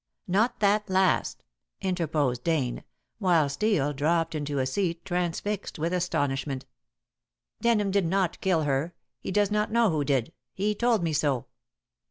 "Not that last," interposed Dane, while Steel dropped into a seat transfixed with astonishment. "Denham did not kill her. He does not know who did. He told me so."